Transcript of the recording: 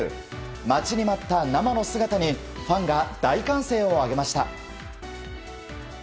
待ちに待った生の姿にファンが大歓声を上げました。